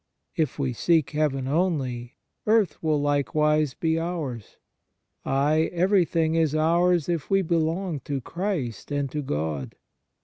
If we seek heaven only, earth will likewise be ours; ay, everything is ours if we belong to Christ and to God.